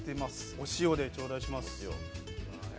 お塩でちょうだいします。